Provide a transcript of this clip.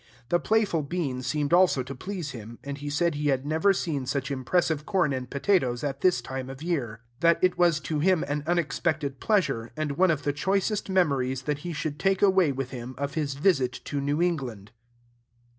The playful bean seemed also to please him; and he said he had never seen such impressive corn and potatoes at this time of year; that it was to him an unexpected pleasure, and one of the choicest memories that he should take away with him of his visit to New England.